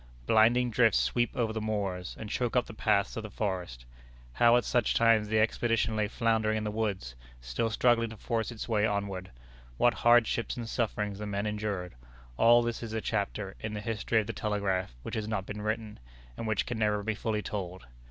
Blinding drifts sweep over the moors, and choke up the paths of the forest. How at such times the expedition lay floundering in the woods, still struggling to force its way onward; what hardships and sufferings the men endured all this is a chapter in the History of the Telegraph which has not been written, and which can never be fully told.